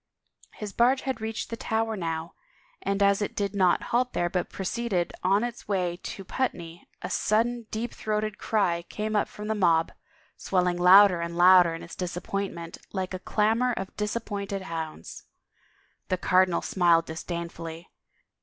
His barge had reached the Tower now and as it did 212 A FAREWELL TO GREATNESS not halt there but proceeded on its way to Putney a sud den deep throated cry came up from the mob, swelling louder and louder in its disappointment like a clamor of disappointed hoimds. The cardinal smiled disdainfully.